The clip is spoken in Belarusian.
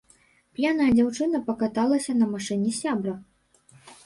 П'яная дзяўчына пакаталася на машыне сябра.